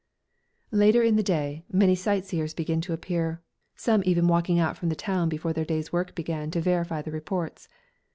Later in the day many sightseers began to appear, some even walking out from the town before their day's work began to verify the reports.